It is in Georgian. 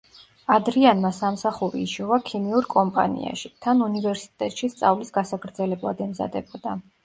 ადრიანმა სამსახური იშოვა ქიმიურ კომპანიაში, თან უნივერსიტეტში სწავლის გასაგრძელებლად ემზადებოდა.